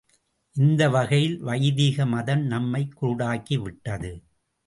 இந்த வகையில் வைதிக மதம் நம்மை குருடாக்கிவிட்டது.